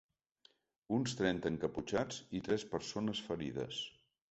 Uns trenta encaputxats i tres persones ferides.